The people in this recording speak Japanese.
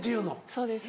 そうです。